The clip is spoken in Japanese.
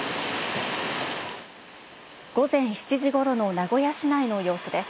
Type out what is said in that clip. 午前７時ごろの名古屋市内の様子です。